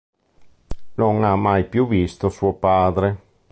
Non ha mai più visto suo padre.